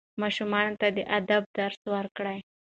ماشومانو ته د ادب درس ورکړئ.